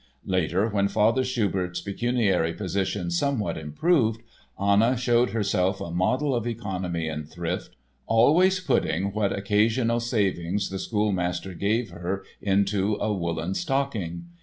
Later, when Father Schubert's pecuniary position somewhat improved, Anna showed herself a model of economy and thrift, always putting what occasional savings the schoolmaster gave her into a woolen stocking!